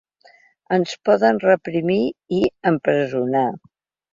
Ens poden reprimir i empresonar.